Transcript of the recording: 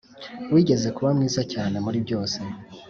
wigeze kuba mwiza cyane muri byose.